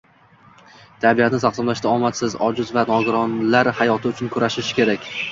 Tabiatni taqsimlashda omadsiz, ojiz va nogironlar hayoti uchun kurashishi kerak